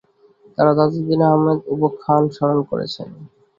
তাঁরা তাজউদ্দীন আহমদ উপাখ্যান স্মরণ করছেন।